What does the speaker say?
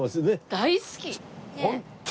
大好き！